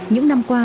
những năm qua